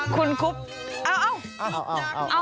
คุณคุบเอ้า